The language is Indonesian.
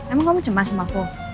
emang kamu cemas sama aku